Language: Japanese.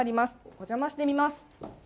お邪魔してみます。